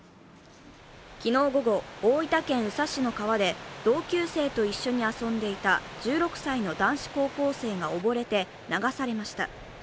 昨日午後、大分県宇佐市の海岸で同級生と一緒に遊んでいた１６歳の男子高校生が溺れて流されました。